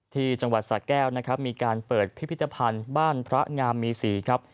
ที่จังหวัดสะแก้วนะครับมีการเปิดพิพิธภัณฑ์บ้านพระงามมีศรีครับ